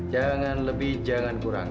jangan lebih jangan kurang